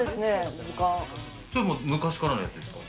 それも昔からのやつですか？